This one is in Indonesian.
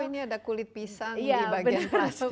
oh ini ada kulit pisang di bagian plastik